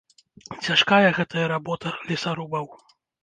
Цяжкая гэтая работа лесарубаў.